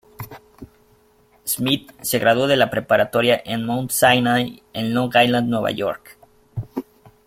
Smit se graduó de la Preparatoria Mt. Sinai en Long Island Nueva York.